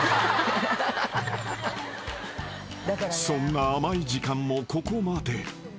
［そんな甘い時間もここまで］